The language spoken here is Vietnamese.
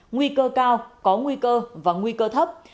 nguy cơ cao có nguy cơ và nguy cơ thấp